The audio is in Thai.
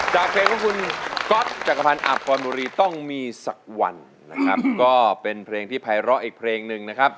จากเพลงของคุณก๊อตจักรพันธ์อาบพรบุรีต้องมีสักวันนะครับก็เป็นเพลงที่ภัยร้ออีกเพลงหนึ่งนะครับ